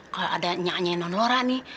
kalau ada nyanyi nyanyiin non lora nih